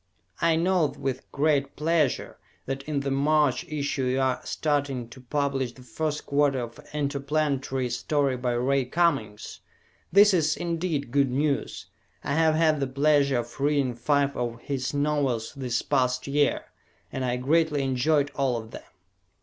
I note with great pleasure that in the March issue you are starting to publish the first quarter of an interplanetary story by Ray Cummings. This is, indeed, good news. I have had the pleasure of reading five of his novels this past year and I greatly enjoyed all of them.